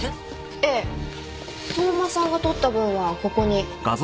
ええ相馬さんが撮った分はここに。